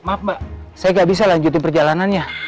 maaf mbak saya gak bisa lanjutin perjalanannya